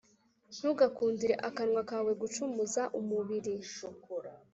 Ntugakundire akanwa kawe gacumuza umubiri.